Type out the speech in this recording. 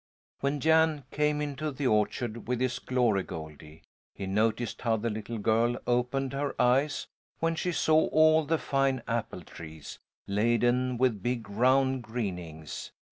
When Jan came into the orchard with his Glory Goldie he noticed how the little girl opened her eyes when she saw all the fine apple trees, laden with big round greenings.